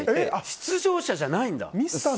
出場者じゃないんだ？